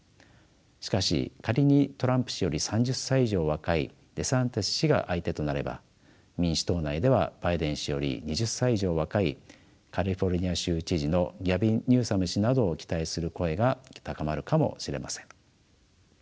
しかし仮にトランプ氏より３０歳以上若いデサンティス氏が相手となれば民主党内ではバイデン氏より２０歳以上若いカリフォルニア州知事のギャビン・ニューサム氏などを期待する声が高まるかもしれません。